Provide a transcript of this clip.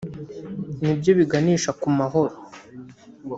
ni byo biganisha ku mahoro